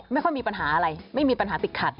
ไม่ค่อยมีปัญหาอะไรไม่มีปัญหาติดขัด